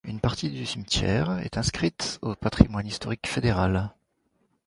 Une partie du cimetière est inscrite au patrimoine historique fédéral.